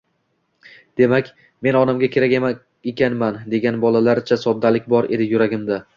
Demak, men onamga kerak ekanman, degan bolalarcha soddalik bor edi yuragimda